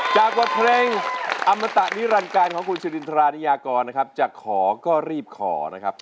จากวัดเพลงอัมตะนิรันดร์กายนะครับ